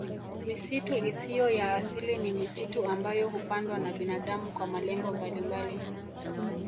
Misitu isiyo ya asili ni misitu ambayo hupandwa na binadamu kwa malengo mbalimbali